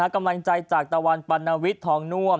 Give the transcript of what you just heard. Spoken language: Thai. กำลังใจจากตะวันปัณวิทย์ทองน่วม